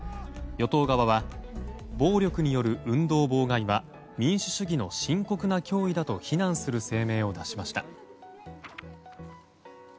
与党側は暴力による運動妨害は民主主義の深刻な脅威だと批判する声明を出しました。